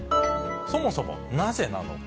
そもそもなぜなのか。